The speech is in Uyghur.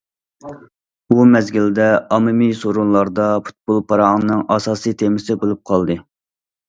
بۇ مەزگىلدە ئاممىۋى سورۇنلاردا پۇتبول پاراڭنىڭ ئاساسىي تېمىسى بولۇپ قالدى.